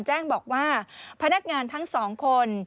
แจ้งบอกว่าพนักงานทั้งสองคน